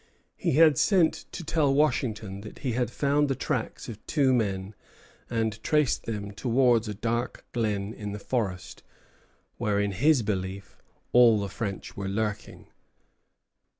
He had sent to tell Washington that he had found the tracks of two men, and traced them towards a dark glen in the forest, where in his belief all the French were lurking.